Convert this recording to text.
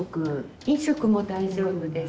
飲食も大丈夫です。